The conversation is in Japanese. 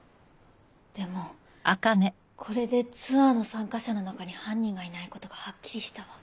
でもこれでツアーの参加者の中に犯人がいないことがはっきりしたわ。